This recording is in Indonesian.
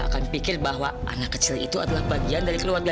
kesian banget sih landry